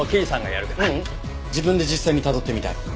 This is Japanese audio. ううん自分で実際にたどってみたい。